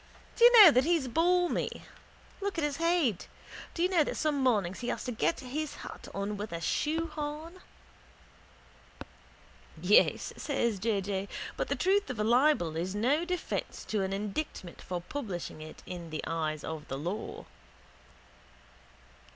Do you know that he's balmy? Look at his head. Do you know that some mornings he has to get his hat on with a shoehorn. —Yes, says J. J., but the truth of a libel is no defence to an indictment for publishing it in the eyes of the law.